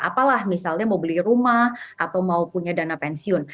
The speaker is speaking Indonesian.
apalah misalnya mau beli rumah atau mau punya dana pensiun